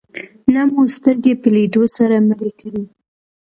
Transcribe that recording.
نه مو سترګې په لیدو سره مړې کړې.